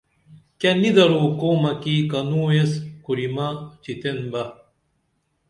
کیہ نی درو قومہ کی کنویس کُرِمہ چِتین بہ